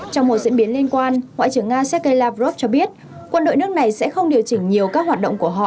trong một diễn biến liên quan ngoại trưởng nga sergei lavrov cho biết quân đội nước này sẽ không điều chỉnh nhiều các hoạt động của họ